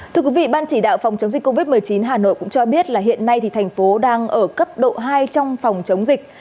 thưa quý vị ban chỉ đạo phòng chống dịch covid một mươi chín hà nội cũng cho biết là hiện nay thì thành phố đang ở cấp độ hai trong phòng chống dịch